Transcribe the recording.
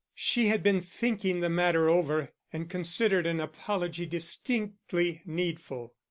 She had been thinking the matter over, and considered an apology distinctly needful.